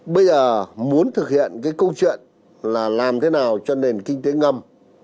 bây giờ muốn thực hiện cái câu chuyện là làm thế nào cho nền kinh tế ngầm